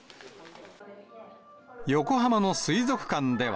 横浜の水族館では。